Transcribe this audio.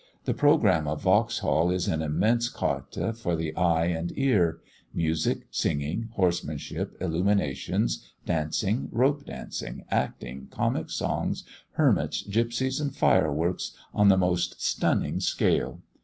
The programme of Vauxhall is an immense carte for the eye and the ear: music, singing, horsemanship, illuminations, dancing, rope dancing, acting, comic songs, hermits, gipsies, and fireworks, on the most "stunning" scale.